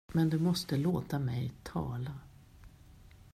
Men du måste låta mig tala!